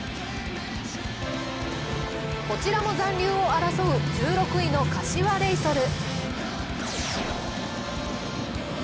こちらも残留を争う１６位の柏レイソル。